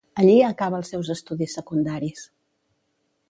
Allí acaba els seus estudis secundaris.